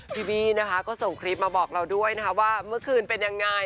พี่บี้นะคะก็ส่งคลิปมาบอกเราด้วยนะคะว่าเมื่อคืนเป็นยังไง